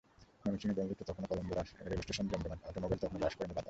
ময়মনসিংহের ব্রহ্মপুত্র তখনো কলস্বরা, রেলস্টেশন জমজমাট, অটোমোবাইল তখনো গ্রাস করেনি বাতাস।